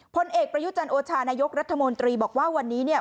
พลเอกประยุจันโอชานายกรัฐมนตรีบอกว่าวันนี้เนี่ย